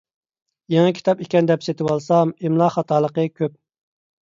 يېڭى كىتاب ئىكەن دەپ سېتىۋالسام ئىملا خاتالىقى كۆپ.